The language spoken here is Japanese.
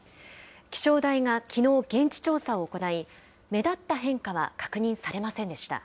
気象台が、きのう現地調査を行い、目立った変化は確認されませんでした。